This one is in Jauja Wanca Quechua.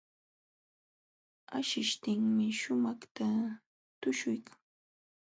Asishtinmi shumaqta tuśhuykan.